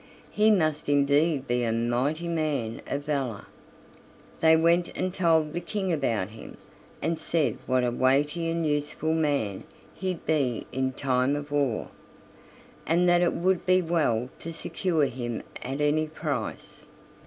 He must indeed be a mighty man of valor." They went and told the King about him, and said what a weighty and useful man he'd be in time of war, and that it would be well to secure him at any price.